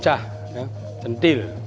ini adalah perhubungan yang sangat penting